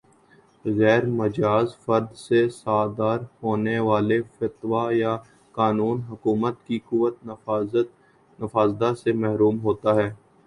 غیر مجاز فرد سے صادر ہونے والا فتویٰ یا قانون حکومت کی قوتِ نافذہ سے محروم ہوتا ہے